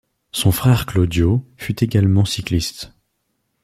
Son frère Claudio fut également cycliste.